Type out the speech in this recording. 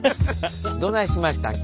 どないしましたん？